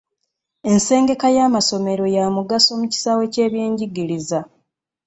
Ensengeka y'amasomo ya mugaso mu kisaawe ky'ebyenjigiriza.